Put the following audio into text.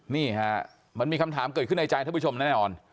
นี่ฮะมันมีคำถามเกิดขึ้นในใจท่านผู้ชมแน่นอน